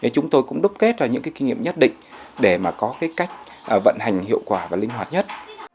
chúng tôi cũng đúc kết những kinh nghiệm nhất định để mà có cái cách vận hành hiệu quả và linh hoạt nhất